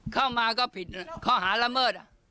เข้ามาก็ผิดข้อหาละเมิด